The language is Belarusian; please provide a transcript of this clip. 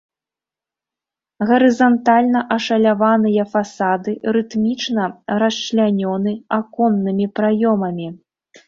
Гарызантальна ашаляваныя фасады рытмічна расчлянёны аконнымі праёмамі.